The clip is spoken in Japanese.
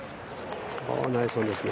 ナイスオンですね。